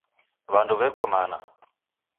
Wandu weko mana